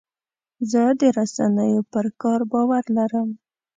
زه د رسنیو پر کار باور لرم.